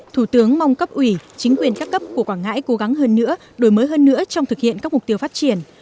thủ tướng mong cấp ủy chính quyền các cấp của quảng ngãi cố gắng hơn nữa đổi mới hơn nữa trong thực hiện các mục tiêu phát triển